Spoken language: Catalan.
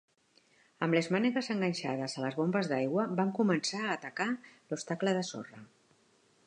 Amb les mànegues enganxades a les bombes d'aigua, van començar a atacar l'obstacle de sorra.